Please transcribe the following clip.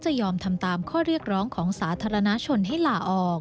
ยอมทำตามข้อเรียกร้องของสาธารณชนให้หล่าออก